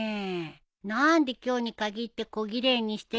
何で今日に限って小奇麗にしてるのさ。